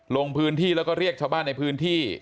ลงพื้นที่แล้วก็เรียกชาวบ้านในพื้นที่